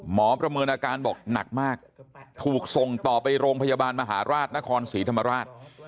ประเมินอาการบอกหนักมากถูกส่งต่อไปโรงพยาบาลมหาราชนครศรีธรรมราช